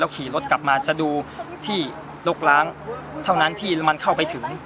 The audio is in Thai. ขี่รถกลับมาจะดูที่ลกล้างเท่านั้นที่มันเข้าไปถึง